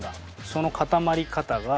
その固まり方が。